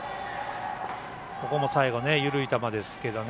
ここも最後緩いボールですけどね